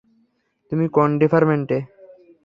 তুমি কোন ডিপার্টমেন্টে?